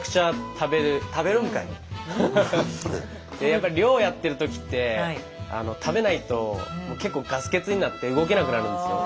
やっぱり漁をやってる時って食べないと結構ガス欠になって動けなくなるんですよ。